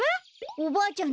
おばあちゃん